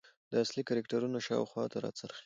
د اصلي کرکترونو شاخواته راڅرخي .